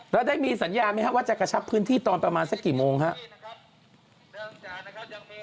แล้วได้มีสัญญาไหมครับว่าจะกระชับพื้นที่ตอนประมาณสักกี่โมงครับ